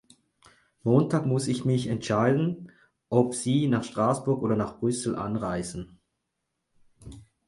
Montag muss ich mich entscheiden, ob sie nach Straßburg oder nach Brüssel anreisen.